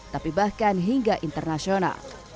tapi bahkan hingga internasional